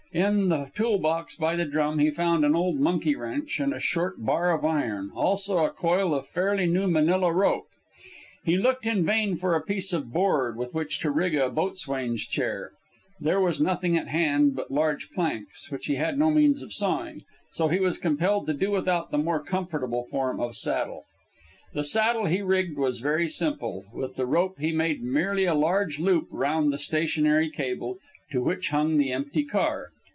In the tool box by the drum he found an old monkey wrench and a short bar of iron, also a coil of fairly new Manila rope. He looked in vain for a piece of board with which to rig a "boatswain's chair." There was nothing at hand but large planks, which he had no means of sawing, so he was compelled to do without the more comfortable form of saddle. The saddle he rigged was very simple. With the rope he made merely a large loop round the stationary cable, to which hung the empty car.